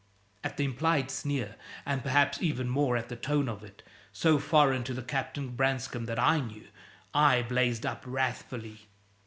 At the implied sneer and perhaps even more at the tone of it, so foreign to the Captain Branscome that I knew I blazed up wrathfully.